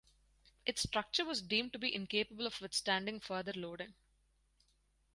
Its structure was deemed to be incapable of withstanding further loading.